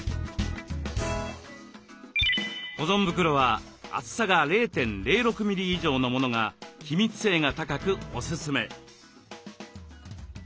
保存袋は厚さが０．０６ミリ以上のものが気密性が高くおすすめ。